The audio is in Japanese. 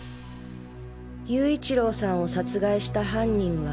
勇一郎さんを殺害した犯人は。